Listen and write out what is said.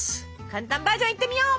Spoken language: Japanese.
簡単バージョンいってみよう！